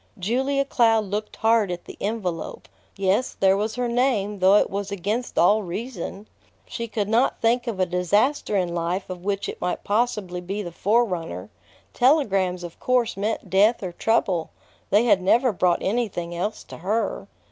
Julia Cloud looked hard at the envelope. Yes, there was her name, though it was against all reason. She could not think of a disaster in life of which it might possibly be the forerunner. Telegrams of course meant death or trouble. They had never brought anything else to her.